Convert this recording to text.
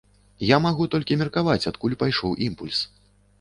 Я магу толькі меркаваць, адкуль пайшоў імпульс.